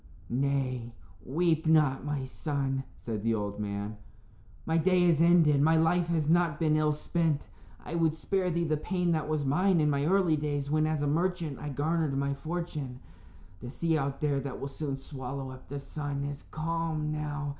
"Nay, weep not, my son," said the old man. "My day is ended; my life has not been ill spent. I would spare thee the pain that was mine in my early days, when, as a merchant, I garnered my fortune. The sea out there that will soon swallow up the sun is calm now.